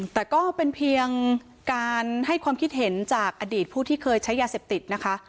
แต่ก็เป็นเพียงการให้ความคิดเห็นจากอดีตผู้ที่เคยใช้ยาเสพติดนะคะ